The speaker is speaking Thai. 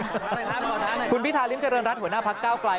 คุณพิธาริมเจริญรัฐหัวหน้าพักเก้าไกล